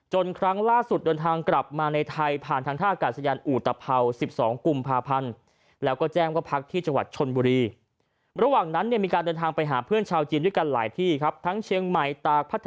ครั้งล่าสุดเดินทางกลับมาในไทยผ่านทางท่ากาศยานอุตภาว๑๒กุมภาพันธ์